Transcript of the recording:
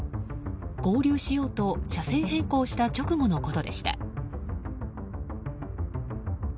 合流しようと車線変更しようとした直後のことでした。